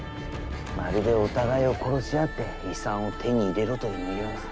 まるでお互いを殺し合って遺産を手に入れろというような。